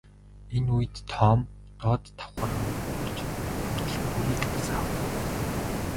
Энэ үед Том доод давхарруу бууж хөдөлгүүрийг асаав.